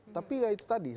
tapi ya itu tadi